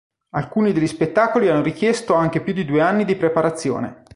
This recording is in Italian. Alcuni degli spettacoli hanno richiesto anche più di due anni di preparazione.